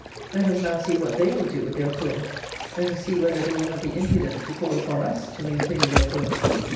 Let us now see what they will do with their poor. Let us see whether they will have the impudence to call upon us to maintain their poor!